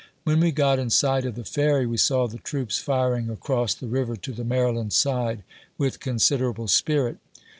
When we got in sight of the Ferry, we saw the troops firing across the river to the Maryland side with considerable spirit.